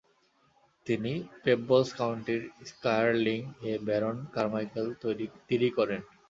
তিনি পেব্বলস কাউন্টির স্কায়ারলিং এ ব্যারন কারমাইকেল তিরী করেন।